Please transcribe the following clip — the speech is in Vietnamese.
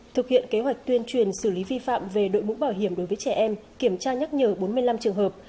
thực hiện kế hoạch tuyên truyền xử lý vi phạm về đội mũ bảo hiểm đối với trẻ em kiểm tra nhắc nhở bốn mươi năm trường hợp